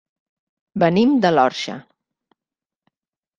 Venim de l'Orxa.